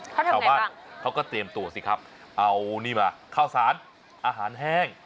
ชาวบ้านเขาก็เตรียมตัวสิครับเอานี่มาข้าวสารอาหารแห้ง